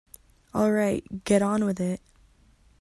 All right, get on with it.